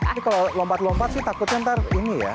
ini kalau lompat lompat sih takutnya ntar ini ya